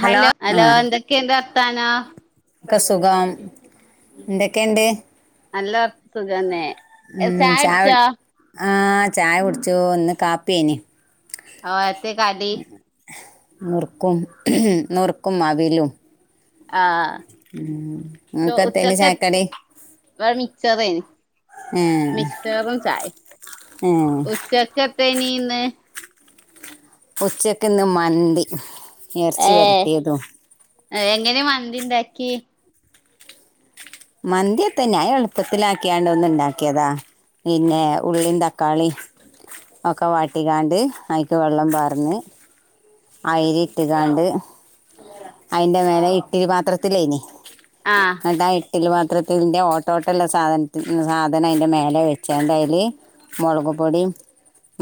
Hello hello എന്തൊക്കെയൊണ്ട് വർത്താനോം? [unintelligible] സുഖം. എന്തൊക്കെയ്ണ്ട്? നല്ല വർത്ത് സുഖന്നേ ഉം ചായ ആഹ് ചായ കുടിച്ചു. ഇന്ന് കാപ്പിയേന് ഓഹ് എത്തേ കടി? നുർക്കും നുറുക്കും അവിലും. ആഹ് നിങ്ങക്കെത്തേനി ഉച്ചക്കെ ചായക്കടി ഇവടെ മിച്ചറേന് ഏഹ് മിച്ചെറും ചായേം. ഏഹ് ചെക്കത്തേനിന്ന് ഉച്ചക്ക്‌ ഇന്ന് മന്തി എറച്ചി ഏഹ് വരട്ടിയതും എങ്ങനെ മന്തിണ്ടാക്കി? മന്തി എത്താ [unintelligible] ഒന്ന് ഇണ്ടാക്കിയതാ പിന്നെ ഉള്ളീം തക്കാളീം ഒക്കെ വാട്ടിക്കാണ്ട് അയിക്ക് വെള്ളം പാർന്ന് അയിരി ഇട്ട്ക്കാണ്ട് അയിന്റെ മേലെ ഇട്ടിലി പാത്രത്തിലേനി ആഹ് ഇന്നട്ടാ ഇട്ടിലി പാത്രത്തിൻ്റെ ഓട്ടോട്ടള്ള സാധൻത്തി സാധനം അയിന്റെ മേലെവെച്ചാണ്ട് അയില് മൊളക് പൊടി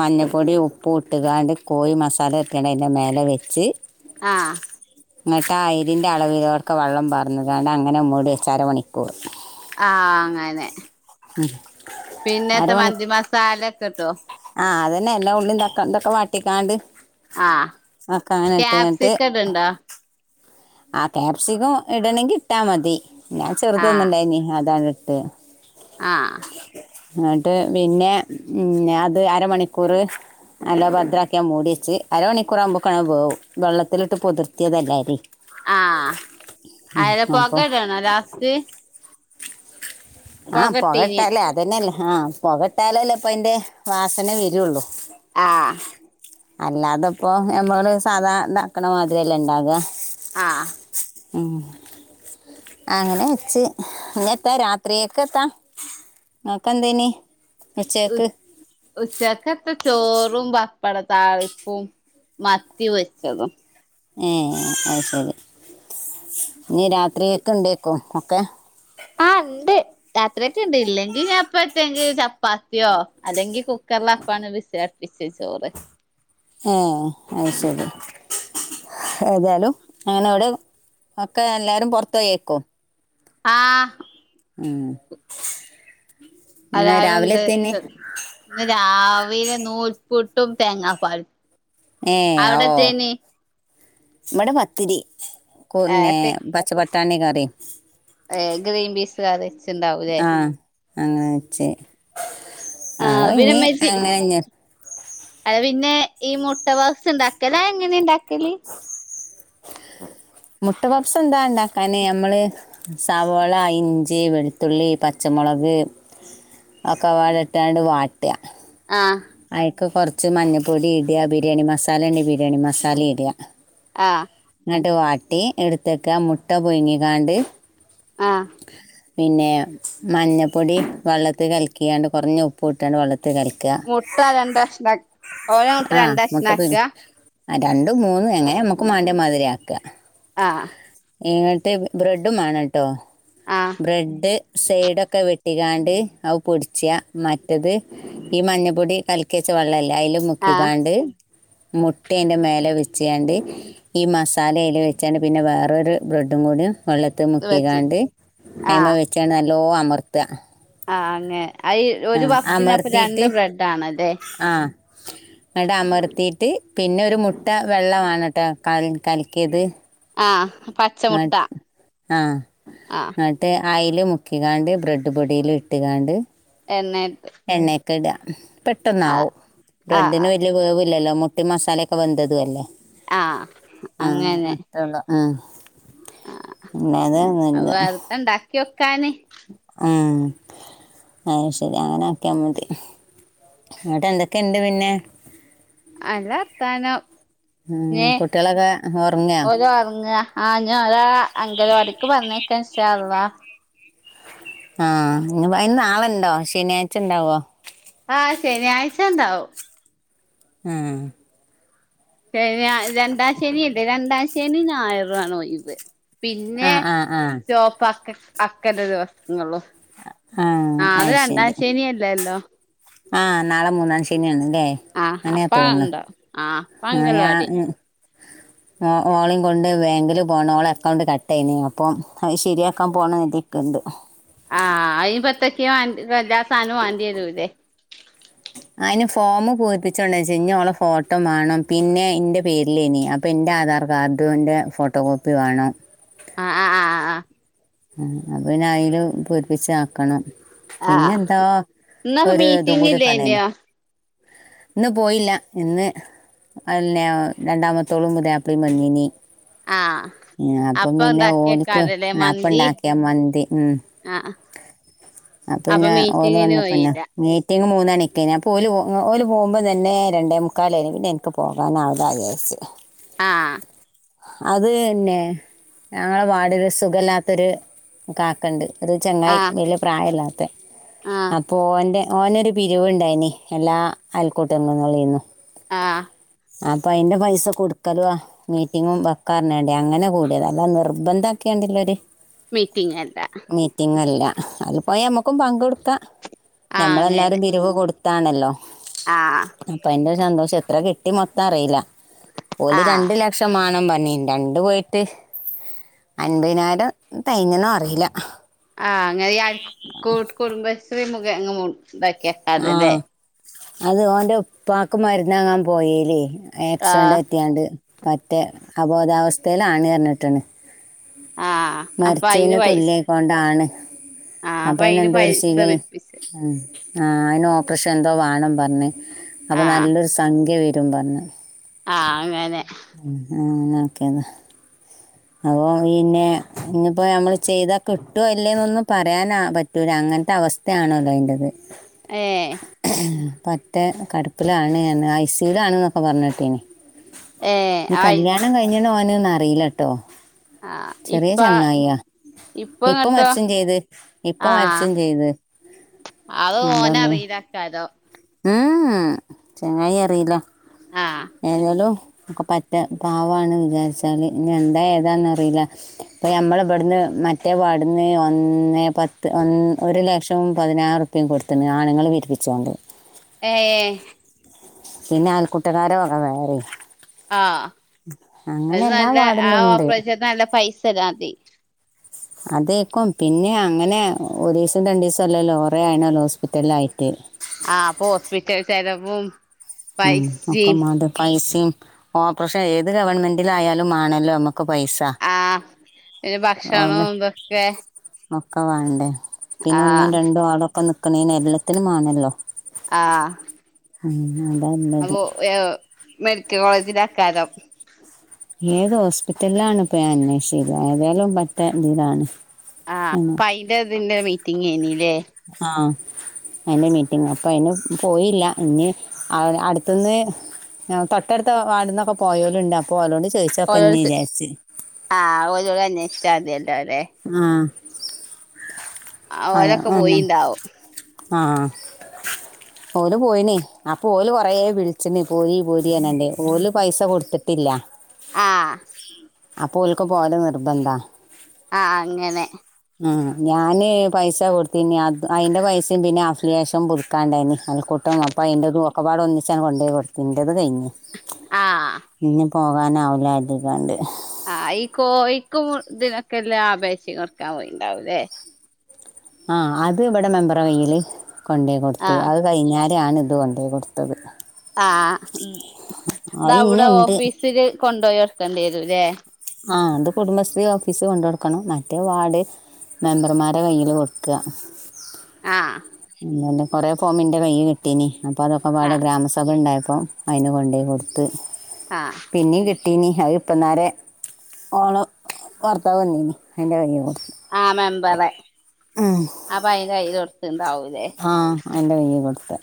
മഞ്ഞപ്പൊടി ഉപ്പുട്ട്കാണ്ട് കോഴി മസാലര്റ്റിയാണ്ട് അയി ന്റെ മേലെ വെച്ച് ആഹ് ഇന്നട്ടാ അയിരിന്റെ അളവിലോടക്കെ വെള്ളം പാർന്ന്ക്കാണ്ട് അങ്ങനെ മൂടി വെച്ചര മണിക്കൂർ ആഹ് അങ്ങനെ പിന്നത്തെ മന്തിമസാല ഒക്കെട്ടൊ ആഹ് അതന്നെ എല്ലാ ഉള്ളീം തക്ക ഇതൊക്കെ വാട്ടിക്കാണ്ട് ആഹ് ഒക്കെ അങ്ങനെ ക്യാപ്സിക്കട്ണ്ടോ ആഹ് ക്യാപ്സികം ഇടണെങ്കി ഇട്ടാമതി ഞാൻ ചെറുതൊന്ന് ആഹ് ഇണ്ടായിനി അതാണ് ഇട്ടെ ആഹ് ഇന്നട്ട് പിന്നെ ഉം ഞാൻ ഇത് അരമണിക്കൂറ് നല്ല ഭദ്രാക്കിയാ മൂടിവെച്ചി അരമണിക്കൂർ ആവുമ്പോക്കണ വേവും വെള്ളത്തിലിട്ട് പുതിർത്തിയതല്ലേ അരി ആഹ് ഉം, അയല അപ്പൊ പൊകടണോ ലാസ്റ്റ് പൊക ആഹ് ഇട്ടീനി പൊകട്ടാല് അതന്നെയല്ലേ ആഹ് പുകട്ടാലല്ലേ ഇപ്പ അയിന്റെ വാസന വരുള്ളു ആഹ് അല്ലാതെപ്പോ നമ്മള് സാധാ ഇണ്ടാക്കണ മാതിരില്ലണ്ടാക ആഹ് ഉം അങ്ങനെ വെച്ച് ഇഞത്ത രാ ത്രീയേക്കത്താ ഇങ്ങക്കെന്തേനി ഉച്ചേക്ക് ഉച്ചേക്കത്ത ചോറും പപ്പട താളിപ്പും മത്തി പൊരിച്ചതും ഏഹ് അഹ് ശരി ഇനി രാത്രിയേക്ക് ഉണ്ടേക്കും ഒക്കെ അണ്ട് രാത്രിയെക്ക് ഉണ്ട് ഇല്ലെങ്കിൽ ഞാൻ അപ്പത്തെങ്കിൽ ചപ്പാത്തിയോ അല്ലെങ്കിൽ കുക്കറിലപ്പാണ് വിസ്ലടി പിസ്സി ചോറ് ആഹ് അത് ശരി ഏതാലും അങ്ങനോല് ഒക്കെ എല്ലാരും പൊർത്തോയെക്കും ആഹ് ഉം ഇന്ന് എല്ലാരും രാവിലെ ഉണ്ട് എത്തേനി ചെ ഇന്ന് രാവിലെ നൂൽപ്പുട്ടും തേങ്ങാപാലും ഏഹ് ആഹോ ഇവടെ പത്തിരി കോന്നെ ഏഹ് പ ചപട്ടാണി കറിയും ഏഹ് ഗ്രീൻപീസ് കറിച്ചുണ്ടാവുലേ അങ്ങനെച്ചേ ആ ആഹ് പിന്നെ ഇനി ഇമ്മച്ചി അങ്ങനെന്നെ അത് പിന്നെ ഈ മുട്ടപപ്സ് ഉണ്ടാക്കല് അത് എങ്ങനെ ഉണ്ടാക്കല് മുട്ടപഫ്സ് എന്താ ഇണ്ടാക്കാൻ നമ്മള് സവള, ഇഞ്ചി, വെളുത്തുള്ളി, പച്ചമുളക് ഒക്കപാടെ ഇട്ടാണ്ട് വാട്ട ആഹ് അയ്ക്ക് കൊറച്ച് മഞ്ഞപ്പൊടി ഇട ബിരിയാണി മസാലണ്ടങ്കി ബിരിയാണി മസാലി ഇട ആഹ് ഇന്നട്ട് വാട്ടി എടുത്ത്ക്കാ മുട്ട പുഴുങ്ങിക്കാണ്ട് ആഹ് പിന്നെ മഞ്ഞപ്പൊടി വെള്ളത്തി കലക്കിയാണ്ട് കൊറഞ്ഞ ഉപ്പു ഇട്ടാണ്ട് വെള്ളത്തി കലക്കാ മുട്ട രണ്ട് കഷ്ണാക് ഓരോ മുട്ട രണ്ട് കഷ്ണാക്കാ ആഹ് രണ്ടും മൂന്നും എങ്ങനെ നമ്മക്ക് മാണ്ടിയെ മാതിരി ആക്കാ ആഹ് ഇങ്ങട്ട് ബ്രെഡും മാണംട്ടോ ആഹ് ബ്രെഡ് സൈഡൊക്കെ വെട്ടിങ്ങാണ്ട് അത് പൊടിച്ചാ മറ്റത് ഈ മഞ്ഞപ്പൊടി കലക്കി വെച്ച വെള്ളയില്ലേ അയില് ആഹ് മുക്കിങ്ങാണ്ട് മുട്ട ഈന്റെ മേലെ ഒഴിച്ച്ങ്ങാണ്ട് ഈ മസാലയും അയില് വെച്ചാണ്ട് പിന്നെ വേറൊരു ബ്രെഡും കൂടിയും വെള്ളത്ത് ഇത് വെച്ച് മുക്കീങ്ങാണ്ട് അയിമ്മെ ആഹ് വെച്ച് നല്ലോ അമർത്താ ആഹ് അങ്ങനെ അയ് ഒരു പഫ്സിനപ്പം രണ്ട് ബ്രെഡാണല്ലേ ആഹ് ആടാ അമർത്തിയിട്ട് പിന്നെ ഒരു മുട്ട വെള്ള വേണട്ടോ കൽ കലക്കിയത് ആഹ് പച്ചമുട്ട [unintelligible] ആഹ് ആഹ് [unintelligible] ട്ട് അയില് മുക്കീങ്ങാണ്ട് ബ്രെഡ് പൊടിയില് ഇട്ട്ങ്ങാണ്ട് എണ്ണേയിട്ട് എണ്ണേക്കിടാ പെട്ടന്നാവും ബ്രെഡിന് ആഹ് വ വല്യ വേവില്ലല്ലോ മുട്ടേം മസാലയൊക്കെ വെന്തതും അല്ലേ ആഹ് അങ്ങനെ തേ ഉള്ളൂ ആഹ് പിന്നെ അത് അത് വെറുതെ ഇണ്ടാക്കി വെക്കാന് ഏഹ് അത് ശെരി അങ്ങനെ ആക്കിയാ മതി ഇന്നട്ട് എന്തൊക്കെയുണ്ട് പിന്നെ? നല്ല വർത്താനം ഉം, നേ കുട്ടികളൊക്കെ ഉറങ്ങിയോ ഓലൊറങ്ങാ ആഹ് ഞാൻ ഒരാളെ അങ്കനവാടിക്ക് പറഞ്ഞയക്കാൻ ഇൻഷാ അള്ളാ ആഹ് ഇനി അയ്ന് നാളെണ്ടോ ശനിയാഴ്ച ഇണ്ടാവോ ആഹ് ശനിയാഴ്ച ഇണ്ടാവും ആഹ് ശനി രണ്ടാ ശനി ഇണ്ട് രണ്ടാം ശനിയും ഞായറു ആണ് ഒയിവ് പിന്നെ ആഹ് ആഹ് ആഹ് ചോപ്പക്ക അക്കന്റെ ദിവസങ്ങളും ആഹ് അത് രണ്ടാം ശനിയല്ലല്ലോ ആഹ് നാളെ മൂന്നാം ശനിയാന്ന്ല്ലേ ആഹ് അങ്ങനെയാ അപ്പ തോൻന്നെ ഉണ്ടോ ആഹ് അപ്പ ആഹ് ഞാൻ അംഗൽവാടി ആഹ് ഓളെയും കൊണ്ട് ബാങ്കില് പോണം ഓളെ അക്കൗണ്ട് കട്ടായിന് അപ്പം അത് ശരിയാക്കാൻ പോണം കരിതീക്ക്ണ്ട് ആഹ് അയിന്പ്പം എന്തെക്കെയാ വാണ്ട് എല്ലാ സാനോം വാണ്ടി വെരൂല്ലേ അയിന് ഫോമ് പൂരിപ്പിച്ചോണ്ടെച്ച് ഇഞ്ഞി ഓളെ ഫോട്ടോ മാണം പിന്നെ ഇന്റെ പേരിലേനി അപ് അപ്പം ഇന്റെ ആധാർ കാർഡിൻ്റെ ഫോട്ടോ കോപ്പി വേണം ആഹ് ആഹ് ആഹ് ആഹ് അപ്പയിനി അയിലും പൂരിപ്പിച്ച് ആക്കണം ആഹ് ആഹ് പിന്നെന്താ ഇന്നപ്പ ഒരു മീറ്റിംഗ് ഇതുംകൂടി പറഞ്ഞിന് ഇല്ലേന്യോ ഇന്ന് പോയില്ലാ ഇന്ന് അല്ലാ രണ്ടാമത്തോളും പുതിയാപ്പളയും വന്നീനി ആഹ് ആഹ് അപ്പം അപ്പൊ പിന്നെ ഓല്ക്ക് ഉണ്ടാക്കിയക്കാരല്ലേ അപ് അപ്പം മന്തി ഇണ്ടാക്കിയാ മന്തി ഉം ആഹ് അപ്പ അപ്പൊ പിന്നെ ഓല് മീറ്റിങ്ങിന് വന്നപ്പെന്നെ പോയില്ല മീറ്റിംഗ് മൂന്ന് മണിക്ക് ഞാൻ പ്പോല് ഓല് പോകുമ്പോം തന്നെ രണ്ടേ മുക്കാലായിന്നു പിന്നെ എനിക്ക് പോകാനാവൂലാ വിജാരിച്ചു [inaudible] ആഹ് അത് തന്നെ ഞങ്ങളെ വാഡില് സുഖല്ലാ ത്തൊരു കാക്ക ഉണ്ട് ഒരു ചങ്ങായി ആഹ് വല്യേ പ്രായല്ലാത്തെ ആഹ് ഓന്റെ ഓനൊരു പിരിവുണ്ടായിന് എല്ലാ അയൽക്കൂട്ടഅംഗങ്ങളീന്നും ആഹ് അപ്പൊ അയിന്റെ പൈസ കൊടുക്കലാ മീറ്റിങ്ങും വക്കന്നറിഞാണ്ട അങ്ങനെ കൂടിയതാ അല്ലാണ്ടെ നിർബന്ധമാക്കിയേണ്ട്ല്ലര് മീറ്റിംഗല്ല മീറ്റിംഗല്ല അതിൽ പോയ നമ്മുക്കും പങ്കെടുക്കാം ആഹ് ഞമ്മളെല്ലാവരും അങ്ങനെ പിരിവ് കൊടുത്താണല്ലോ ആഹ് അപ്പൊ അയിന്റെ സന്തോഷം എത്ര കിട്ടി മൊത്തം അറിയില്ല ഓല് ആഹ് രണ്ടു ല ലക്ഷംമാണം പറഞ്ഞിന്നു രണ്ട് പോയിട്ട് അൻപതിനായിരം തെയ്ഞ്ഞൊന്ന് അറിയില്ല ആ അങ്ങനെ ഈ അയൽ കു കുടുംബശ്രീ മുഘേന ആഹ് അത് ഓന്റെ ഉപ്പാക്ക് മരുന്നാങ്ങാൻ പോയേല് ആക്സിഡന്റ് ആഹ് പറ്റിയാണ്ട് പറ്റേ അബോധാവസ്ഥയിലാണ് പറഞ്ഞിട്ടണ് ആഹ് അപ്പൊ അയിന് മരിച്ചേന് പൈസ തുല്യായിക്കൊണ്ടാണ് ആഹ് അപ്പൊ അയിന് എന്തോ ഒരു പൈസ സികൾ പിരിപ്പിച്ച് ആ ആഹ് അയിന് ഓപ്പറേഷൻ എന്തോ വേണം പറഞ്ഞ് അപ്പൊ ആഹ് നല്ലൊരു സംഖ്യ വരും പറഞ്ഞ് ആഹ് അങ്ങനെ ആഹ് അങ്ങനാക്കിയതാ അപ്പൊ പിന്നെ ഇനിപ്പോ നമ്മള് ചെയ്താ കിട്ടോ ഇല്ലെന്ന് ഒന്നും പറയാനാ പറ്റ് പറ്റൂല അങ്ങനത്തെ അവസ്ഥയാണല്ലോ അതിന്റത് അയേ പറ്റേ കെടപ്പിലാണ് ഐ സി യു വിലാണ് ന്നൊക്കെ പറഞ് കേട്ടീനി ഏഹ് ഇനി ആയി കല്യാണം കഴിഞുന്ന് ഓന് ന്നറിലാട്ടോ ആഹ് ചെറിയ ഇപ്പ ചങ്ങായിയാ ഇപ്പ മരിച്ചും ചെയ്ത് ആഹ് ഇപ്പമരിച്ചും ചെയ്ത് അത് എന്തല്ലോ ഓനറീലാക്കാരം ഉം ചങ്ങായി അറീലാ ആഹ് ഏതായാലും ഒക്കെ പറ്റെ പാവാണ് വിചാരിച്ചാല് ഇനി എന്താ ഏതാന്ന് അറിയില്ല ഇപ്പ നമ്മളെ ഇവിടുന്ന് മറ്റേ വാർഡിന്ന് ഒന്നേ പത്ത് ഒരു ലക്ഷം പതിനാറ് റുപ്പേം കൊടുത്തിണ് ആണുങ്ങൾ പി രിപ്പിച്ചാണ്ട് ഏ പിന്നെ അയൽകൂട്ടക്കരെ വക വേറെം ആഹ് അത് എല്ലാ നല്ല ആ വാർഡിലും ഉണ്ട് ഓപ്പറേഷത്തിന് നല്ല പൈസല്ലതി അതേക്കും പിന്നെ അങ്ങനെ ഒരീസം രണ്ടീസം അല്ലല്ലോ കൊറേ ആയിണല്ലോ ഹോസ്പിറ്റലിലായിട്ട് ആഹ് അപ്പൊ ഹോസ്പിറ്റൽ ചെലവും ഉം പൈസിം ഒക്കമാണ്ടെ പൈസിം ഓപ്പറഷൻ ഏത് ഗവൺമെന്റിൽ ആയാലും വാണല്ലോ നമ്മുക്ക് പൈസ ആഹ് പിന്നെ ഭക്ഷണോം ഓല് ഇതൊക്കെ ഒക്കെ വാണ്ടേ പിന്ന ഒന്നും ആഹ് രണ്ടും ആളൊക്കെ നിക്കണീന്നും എല്ലത്തിനും വാണല്ലോ ആഹ് ആഹ് ന്നാ അതാ നല്ലത് ഏ മെഡിക്കൽ കോളേജിലാക്കാരം ഏത് ഹോസ്പിറ്റലിലാണ് പ്പൊ ഞാൻ അന്വേഷിച്ചില്ല ഏതായാലും പറ്റെ ഇതിലാണ്. ആഹ് ആണ് അപ്പ അയ്ന്റെതിന്റെ മീറ്റിംങ്ങായ്നില്ലേ ആഹ് അയ്ന്റെ മീറ്റിംഗാ അപ്പൊ അയ്ന് പോയീല്ല ഇനി അ അടുത്ത്ന്ന് അ തൊട്ടടുത്ത വാർഡ്ന്നൊക്കെ പോയോല് ഇണ്ട് അപ്പൊ ഓലോട് ചോയ്ച്ചു [unintelligible] ആഹ് ഓലോട് അന്വേഷിച്ചാ മതിലോ ലെ ആഹ് [unintelligible] ഓലൊക്കെ തന്നെ പോയിണ്ടാവും ആഹ് ഓല് പോയിണ് അപ്പൊ ഓല് കൊറേ വിളിച്ച്ണ് പോരി പോരി പറഞ്ഞാണ്ട് ഓല് പൈസ കൊടുത്ത് ത്തില്ല ആഹ് അപ്പൊ ഓല്ക് പോവല് നിർബന്ധാ ആഹ് അങ്ങനെ ആഹ് ഞാന് പൈസ കൊട്ത്തീന് അത് അയ്ന്റ പൈസയും പിന്നെ അഫിലിയേഷൻ പുതുക്കാൻ ണ്ടായ്നി അയൽക്കൂട്ടം അപ്പ അയ്ന്റെതും ഒക്കെപ്പാടെ ഒന്നിച്ചങ്ങ് കൊണ്ടോയ് കൊട്ത്തു. ഇന്റെത് കയിഞ്ഞു. ആഹ് ഇഞ്ഞി പോകാനാവൂല കരുതിങ്ങാണ്ട്. ആഹ് ഈ കോയിക്കും ഇതിനൊക്കെ ള്ള അപേക്ഷ കൊട്ക്കാൻ പോയിണ്ടാവുല്ലേ. ആഹ് അത് ഇവിടെ മെമ്പറെ കൈയില് കൊണ്ടേയ് കൊടുത്തു ആഹ് അത് കഴിഞ്ഞാരാണ് ഇത് കൊണ്ടേയ് കൊടു ത്തത്. ആഹ് അത് ഇനിയും ഇതവടെ ഉണ്ട് ഓഫീസില് കൊണ്ടോയി കൊട്ക്കണ്ടി വരും ലേ? ആഹ് അത് കുടുംബശ്രീ ഓഫീസ് കൊണ്ട് കൊടുക്കണം മറ്റേ വാർഡ് മെമ്പർമാരെ കയ്യില് കൊടുക്ക ആഹ് ഉം അതെന്നെ കൊറേ ഫോമ് ഇന്റെ കൈയ്യി കിട്ടീനി അപ്പൊ അതൊക്കെപാടെ ആഹ് ഗ്രാമസഭ ഇണ്ടായപ്പോ അയ്ന് കൊണ്ടേയ് കൊടുത്ത് ആഹ് പിന്നിം കിട്ടീനി അത് ഇപ്പന്നാരെ ഓള ഭർത്താവ് വന്നീനി അയ്ന്റെ കയ്യി കൊടുത്ത് ആഹ് മെമ്പറെ അപ്പ അയ്ന്റെ കയ്യില് കൊട് ആഹ് അയ്ന്റെ കൈയ്യിൽ കൊടുത്ത്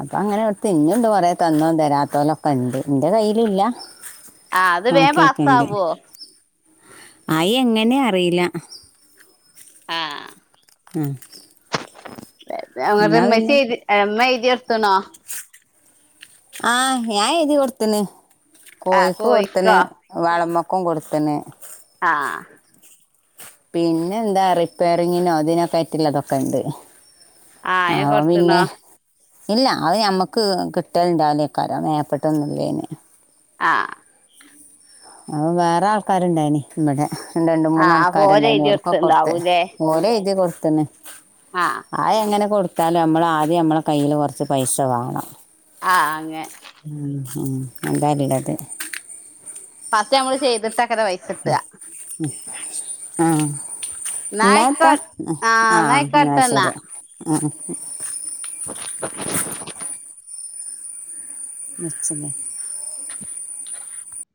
അപ്പൊ അങ്ങനെ കൊടുത്ത്. ഇന്നിണ്ട് കൊറെ തന്നതും തരാത്തോലൊക്കെ ഇണ്ട് ഇന്റെ കയ്യില് ഇല്ല ആഹ് അത് വേം പാസ്സാവോ? അത് എങ്ങനെ അറീല്ല ആഹ് ഉം [unintelligible] മ്മച്ചി എയ്തി അല്ല മ്മ എയ്തി എട്ത്ത്ണോ? ആഹ് ഞാൻ എയ്തി കൊടുത്തണ് ആഹ് കോയിക്കു കൊടുത്ത്ണ് കോഴിക്കോ വളമക്കും കൊട്ത്ത്ണ്. ആഹ് പിന്നെന്താ റിപ്പയറിങ്ങിനോ അതിനൊക്കെ ആയിട്ടുള്ളതൊക്കെ ഇണ്ട് ആഹ് അയിന് അപ്പൊ പിന്നെ കൊടുത്ത്ണോ ഇല്ല അത് ഞമ്മക്ക് കിട്ടല്ണ്ടാവൂലേകാരം അത് മേപ്പെട്ടൊന്നുല്ലേന് ആഹ്. അത് വേറെ ആൾക്കാര് ഇണ്ടായിന് ഇബടെ ഇണ്ട് ഇണ്ട് മൂന്ന് ആഹ് അപ്പൊ ആൾക്കാര് ഓര് ഇണ്ടായിന് എഴുതി ഓൽക്കൊക്കെ കൊടുത്ത് കൊടുത്ത്ണ്ടാവൂലേ ഓല് എയ്തിയത് ഇത് പോലെ തന്നെ. ആഹ്. അത് എങ്ങനെ കൊടുത്താലും നമ്മള് ആദ്യം നമ്മളെ കയ്യില് കൊറച്ച് പൈസ വാണം. ആ അങ്ങെ ഉം ഉം അതാ ഇള്ളത്. ഫസ്റ്റ് ഞമ്മള് ചെയ്തിട്ടെക്കാര പൈസ കിട്ടാ. ഉം ആഹ് ഇന്നാ ഇന്ന് ഏത്താ ആയിക്കോ ആഹ് ഇന്നാ ശെരി. ആഹ്. [inaudible] നിച്ചന്.